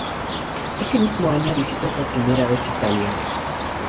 Ese mismo año visitó por primera vez Italia.